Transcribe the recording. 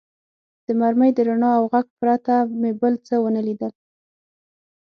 د مرمۍ د رڼا او غږ پرته مې بل څه و نه لیدل.